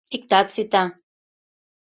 — Иктат сита.